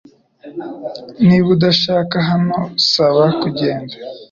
Niba udashaka hano, saba kugenda